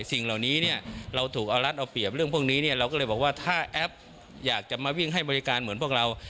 สิ่งเหล่านี้เนี่ยเราถูกเอารัฐเอาเปรียบเรื่องพวกนี้เนี่ยเราก็เลยบอกว่าถ้าแอปอยากจะมาวิ่งให้บริการเหมือนพวกเรา